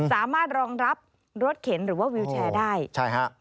สามารถรองรับรถเข็นหรือว่าวิวแชร์ได้ใช่ฮะ